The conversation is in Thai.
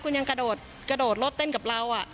คุณยังกระโดดรถเต้นกับเรา